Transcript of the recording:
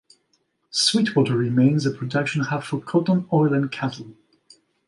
Sweetwater remains a production hub for cotton, oil, and cattle.